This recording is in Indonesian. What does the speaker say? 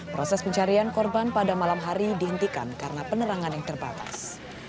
proses pencarian korban pada malam hari dihentikan karena penerangan yang terbatas